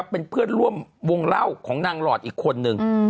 เป็นเพื่อนร่วมวงเล่าของนางหลอดอีกคนนึง